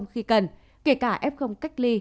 khi cần kể cả f cách ly